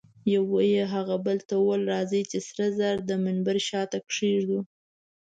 یوه یې هغه بل ته وویل: راځئ چي سره زر د منبر شاته کښېږدو.